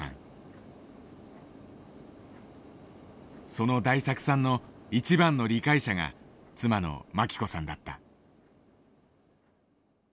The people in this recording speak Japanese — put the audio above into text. その大作さんの一番の理解者が妻の真希子さんだった。